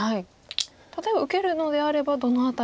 例えば受けるのであればどの辺りで。